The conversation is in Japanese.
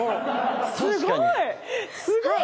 すごい！